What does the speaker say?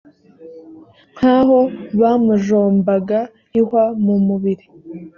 nk’ aho bamujombaga ihwa mu mubiri.